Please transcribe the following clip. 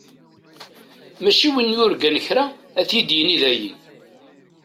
Mačči win i d-yurgan kra kan, ad t-id-yini dayi.